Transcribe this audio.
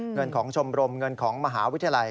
เงินของชมรมเงินของมหาวิทยาลัย